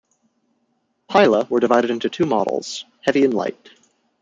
Pila were divided into two models: heavy and light.